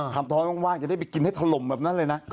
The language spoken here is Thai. ท้อยว่างจะได้ไปกินให้ถล่มแบบนั้นเลยนะ